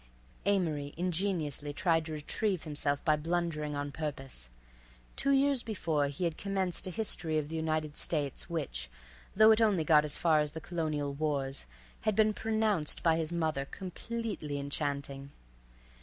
Amory ingeniously tried to retrieve himself by blundering on purpose. Two years before he had commenced a history of the United States which, though it only got as far as the Colonial Wars, had been pronounced by his mother completely enchanting.